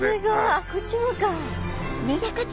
あっこっちもか。